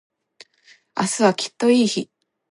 明日はきっといい日